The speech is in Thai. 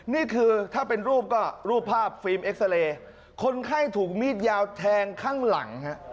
นี่คือถ้าเป็นรูปก็รูปภาพฟิล์มเอ็กซาเรย์คนไข้ถูกมีดยาวแทงข้างหลังฮะ